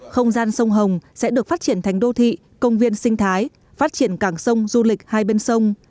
không gian sông hồng sẽ được phát triển thành đô thị công viên sinh thái phát triển cảng sông du lịch hai bên sông